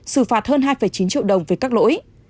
xử phạt hơn hai chín triệu đồng về các lỗi